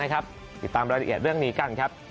ติดตามรายละเอียดเรื่องนี้กันครับ